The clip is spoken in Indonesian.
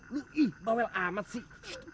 lu ih bawel amat sih